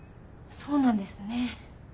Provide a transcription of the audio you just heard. そうなんですね。